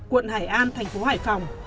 quận hải an thành phố hải phòng